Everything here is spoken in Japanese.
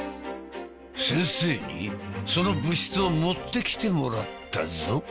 先生にその物質を持ってきてもらったぞ。